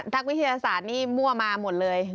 นักวิทยาศาสตร์นี่มั่วมาหมดเลย